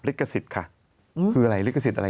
ลิขสิทธิ์ค่ะคืออะไรลิขสิทธิ์อะไร